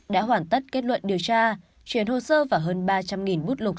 đã hoàn tất kết luận điều tra chuyển hồ sơ vào hơn ba trăm linh bút lục